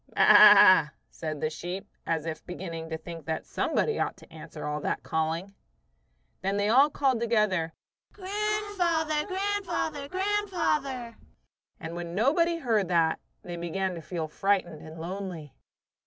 "Baa," said the sheep, as if beginning to think that somebody ought to answer all that calling. Then they all called together: "Grandfather! Grandfather! Grandfather!" and when nobody heard that, they began to feel frightened and lonely.